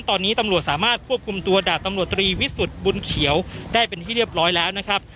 ตอนนี้ตำรวจสามารถควบคุมตัวดาบตำรวจตรีวิสุทธิ์บุญเขียวได้เป็นที่เรียบร้อยแล้วนะครับ